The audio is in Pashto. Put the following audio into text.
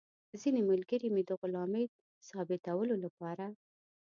ځینې ملګري مې د غلامۍ ثابتولو لپاره.